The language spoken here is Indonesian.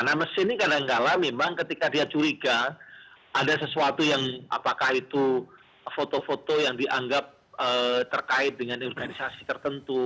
namun di sini kadang kadang memang ketika dia curiga ada sesuatu yang apakah itu foto foto yang dianggap terkait dengan organisasi tertentu